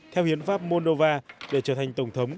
theo hiến pháp moldova để trở thành tổng thống